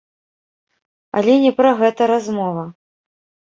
Але не пра гэта размова.